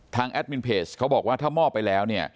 ทางแอดมินเพจเขาบอกว่าถ้ามอบไปแล้ว